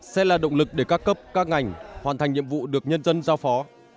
sẽ là động lực để các cấp các ngành hoàn thành nhiệm vụ được nhân dân giao phó